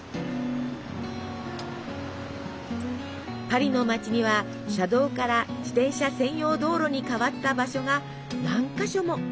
パリの街には車道から自転車専用道路に変わった場所が何か所も。